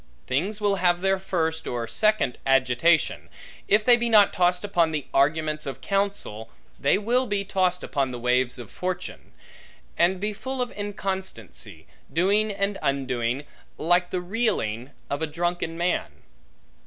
Things will have their first, or second agitation: if they be not tossed upon the arguments of counsel, they will be tossed upon the waves of fortune; and be full of inconstancy, doing and undoing, like the reeling of a drunken man.